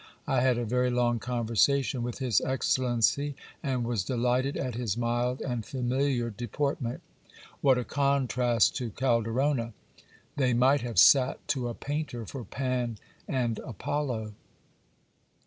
I had a very long conversation with his excellency, and was delighted at his mild and familiar deportment What a contrast to Calderona! They might have sat to a painter for Pan and Apollo.